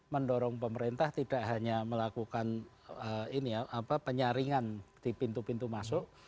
mendorong pemerintah tidak hanya melakukan penyaringan di pintu pintu masuk